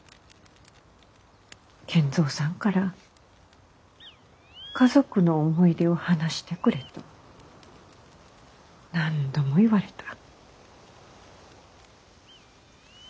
賢三さんから「家族の思い出を話してくれ」と何度も言われた。